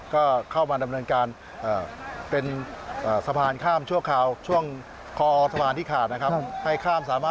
ก็เข้ามาดำเนินการเป็นสะพานข้ามชั่วคราว